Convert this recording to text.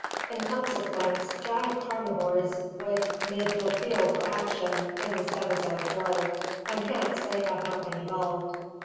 In consequence giant carnivores would mid no field for action in the Cenozoic world, and hence they have not been evolved" (Matthew).